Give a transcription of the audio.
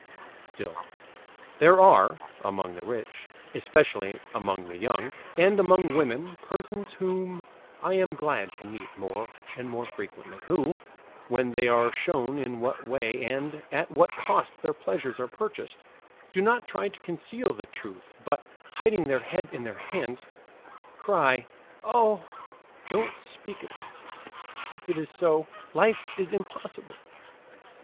Still, there are, among the rich, especially among the young, and among women, persons whom I am glad to meet more and more frequently, who, when they are shown in what way and at what cost their pleasures are purchased, do not try to conceal the truth, but hiding their heads in their hands, cry: "Ah! don't speak of that. If it is so, life is impossible."